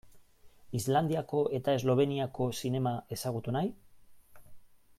Islandiako eta Esloveniako zinema ezagutu nahi?